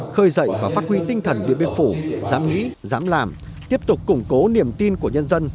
khơi dậy và phát huy tinh thần điện biên phủ dám nghĩ dám làm tiếp tục củng cố niềm tin của nhân dân